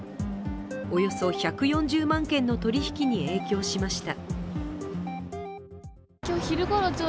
およそ１４０万件の取引に影響しました。